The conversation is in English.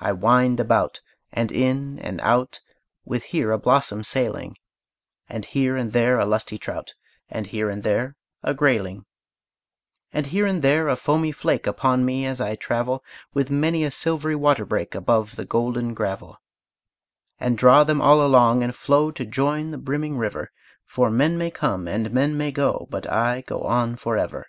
I wind about, and in and out, With here a blossom sailing, And here and there a lusty trout, And here and there a grayling, And here and there a foamy flake Upon me, as I travel, With many a silvery water break Above the golden gravel, And draw them all along, and flow To join the brimming river, For men may come and men may go, But I go on forever.